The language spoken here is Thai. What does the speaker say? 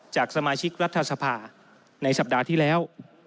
จากสมาชิกรัฐสภาในสัปดาห์ที่แล้ว